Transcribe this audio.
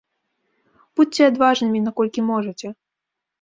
Будзьце адважнымі наколькі можаце.